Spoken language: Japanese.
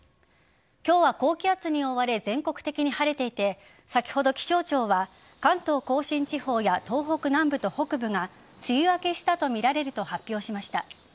今日は、高気圧に覆われ全国的に晴れていて先ほど気象庁は関東甲信地方や東北南部と北部が梅雨明けしたとみられると発表しました。